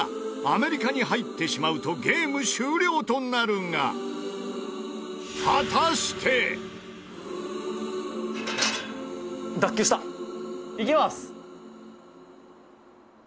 アメリカに入ってしまうとゲーム終了となるが。いきます！